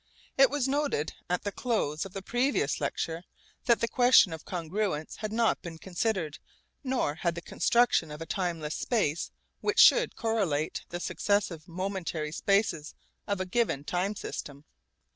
It was noted at the close of the previous lecture that the question of congruence had not been considered, nor had the construction of a timeless space which should correlate the successive momentary spaces of a given time system.